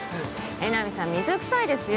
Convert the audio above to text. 江波さん水くさいですよ。